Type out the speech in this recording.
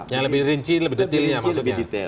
yang lebih rinci lebih detail ya maksudnya